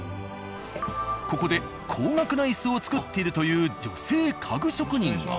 ここで高額な椅子を作っているという女性家具職人が。